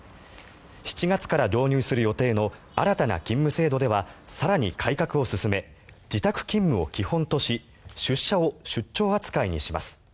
７月から導入する予定の新たな勤務制度では更に改革を進め自宅勤務を基本とし出社を出張扱いにします。